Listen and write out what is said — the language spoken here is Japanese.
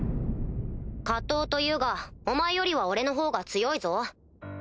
下等というがお前よりは俺のほうが強いぞ。